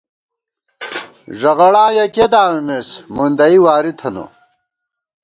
ݫغَڑاں یَکیہ دامِمېس ، مُندئی واری تھنہ